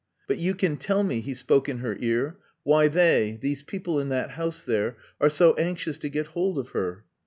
"But you can tell me," he spoke in her ear, "why they these people in that house there are so anxious to get hold of her?"